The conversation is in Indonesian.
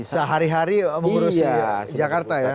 sehari hari mengurusi jakarta ya